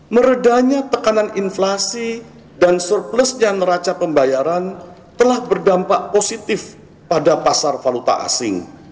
meredanya tekanan inflasi dan surplusnya neraca pembayaran telah berdampak positif pada pasar valuta asing